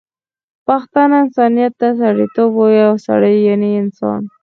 پښتانه انسانیت ته سړيتوب وايي، سړی یعنی انسان